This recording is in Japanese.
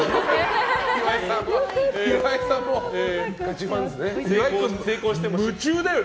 岩井さんもうガチファンですね。